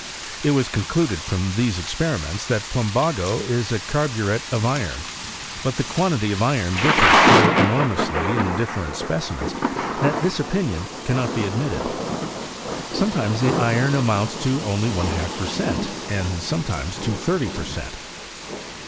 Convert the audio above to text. It was concluded from these experiments, that plumbago is a carburet of iron. But the quantity of iron differs so enor mously in different specimens, that this opinion can not be admitted. Sometimes the iron amounts only to one half per cent., and sometimes to thirty per cent.